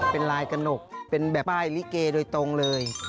เป็นลายกระหนกเป็นแบบป้ายลิเกโดยตรงเลย